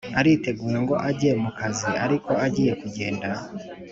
aritegura ngo ajye mukazi ariko agiye kugenda